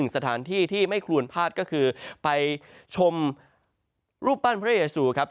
สถานที่ที่ไม่ควรพลาดก็คือไปชมรูปปั้นพระเยซูครับ